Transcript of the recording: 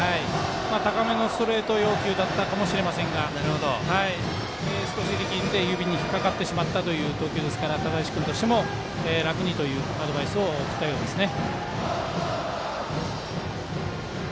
高めのストレート要求だったかもしれませんが力んで指に引っ掛かってしまったという投球ですから只石君としても楽にというアドバイスを送ったようですね。